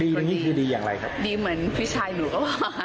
อย่างนี้คือดีอย่างไรครับดีเหมือนพี่ชายหนูก็ว่า